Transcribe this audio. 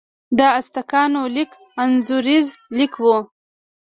د ازتکانو لیک انځوریز لیک و.